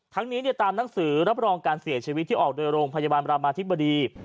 ทั้งนี้ตามหนังสือรับรองการเสียชีวิตที่ออกโดยโรงพยาบาลรามาธิบดี